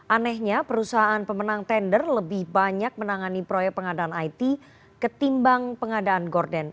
anehnya perusahaan pemenang tender lebih banyak menangani proyek pengadaan it ketimbang pengadaan gorden